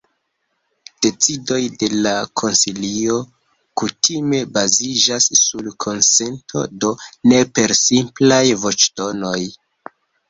Decidoj de la konsilio kutime baziĝas sur konsento, do ne per simplaj voĉdonoj.